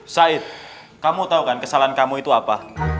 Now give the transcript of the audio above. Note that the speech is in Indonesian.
sair kamu tau kan kesalahan kamu itu apa